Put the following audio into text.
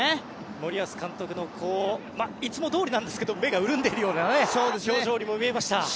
森保監督のいつもどおりなんですが目が潤んでいるような表情にも見えました。